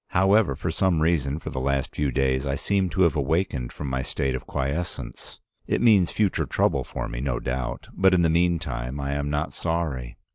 However, for some reason, for the last few days, I seem to have awakened from my state of quiescence. It means future trouble for me, no doubt, but in the meantime I am not sorry.